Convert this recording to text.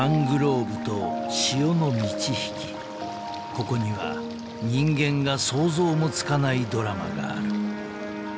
［ここには人間が想像もつかないドラマがある］